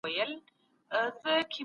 تدريس د موادو وړاندي کول دي.